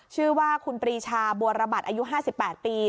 ชื่อว่าคุณปรีชาบัวระบัตรอายุ๕๘ปี